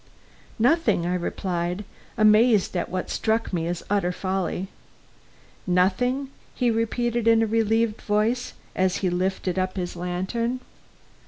"Nothing," I replied, amazed at what struck me as utter folly. "Nothing?" he repeated in a relieved voice, as he lifted up his lantern.